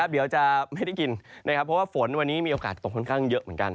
เดี๋ยวจะไม่ได้กินนะครับเพราะว่าฝนวันนี้มีโอกาสตกค่อนข้างเยอะเหมือนกัน